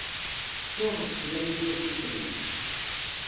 Ssiwḍet sslam i twacult-nwen.